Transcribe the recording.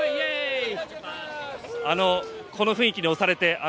あの、この雰囲気に押されて。